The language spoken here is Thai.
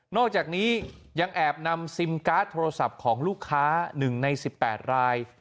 อกจากนี้ยังแอบนำซิมการ์ดโทรศัพท์ของลูกค้า๑ใน๑๘ราย